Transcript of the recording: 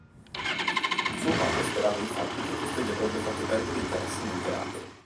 Suo padre sperava infatti che questo gli avrebbe fatto perdere interesse nel teatro.